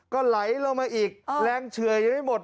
ก็ไหลลงมาอีกแรงเฉื่อยยังไม่หมด